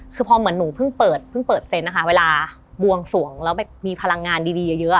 คือพอเหมือนหนูเพิ่งเปิดเพิ่งเปิดเซนต์นะคะเวลาบวงสวงแล้วแบบมีพลังงานดีเยอะ